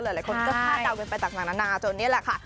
หลายคนก็พาตาลเกินไปต่างจนนี่แหละค่ะ